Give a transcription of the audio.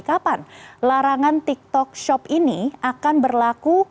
kapan larangan tiktok shop ini akan berlaku